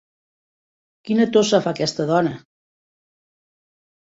Quina tossa fa aquesta dona!